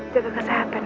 jaga kesehatan ya